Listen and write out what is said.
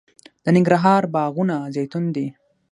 د ننګرهار باغونه زیتون دي